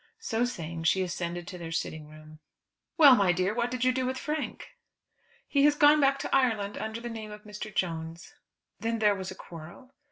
So saying she ascended to their sitting room. "Well, my dear, what did you do with Frank?" "He has gone back to Ireland under the name of Mr. Jones." "Then there was a quarrel?"